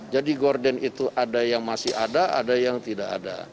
jadi korden itu ada yang masih ada ada yang tidak ada